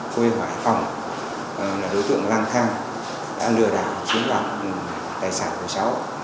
quê hỏi phòng là đối tượng lang thang đã lừa đảo chiếm đoạt tài sản của cháu